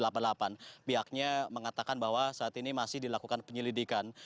pihaknya mengatakan bahwa saat ini masih dilakukan penyelidikan